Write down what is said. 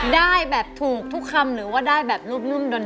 ได้แบบถูกทุกคำหรือว่าได้แบบนุ่มดน